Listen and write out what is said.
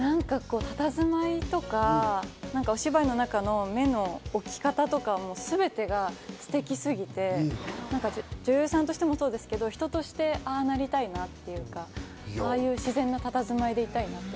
佇まいとかお芝居の中の目の置き方とか、全てがステキすぎて、女優さんとしてもそうですけど、人としてああなりたいなっていうか、ああいう自然な佇まいでいたいなと。